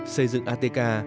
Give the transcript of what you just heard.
xây dựng atk